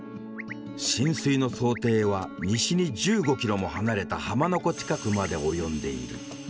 浸水の想定は西に１５キロも離れた浜名湖近くまで及んでいる。